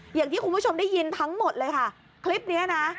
อย่างที่คุณผู้ชมได้ยินทั้งหมดเลยค่ะคลิปนี้นะ